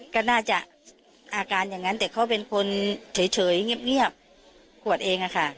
ก็น่าจะอาการอย่างนั้นแต่เขาเป็นคนเฉยเงียบขวดเองอะค่ะ